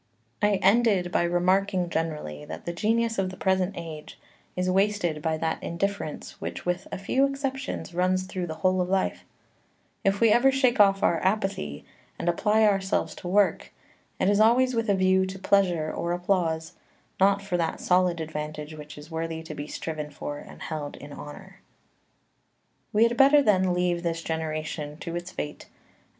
11 I ended by remarking generally that the genius of the present age is wasted by that indifference which with a few exceptions runs through the whole of life. If we ever shake off our apathy and apply ourselves to work, it is always with a view to pleasure or applause, not for that solid advantage which is worthy to be striven for and held in honour.